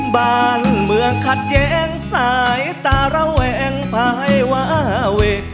บ้านเมืองขัดแย้งสายตาระแวงภายวาเว